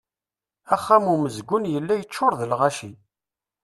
Axxam umezgun yella yeččur d lɣaci.